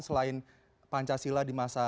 selain pancasila di masa